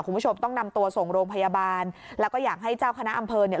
คุณผู้ชมต้องนำตัวส่งโรงพยาบาลแล้วก็อยากให้เจ้าคณะอำเภอเนี่ย